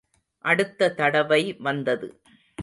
அடுத்த தடவை வந்தது.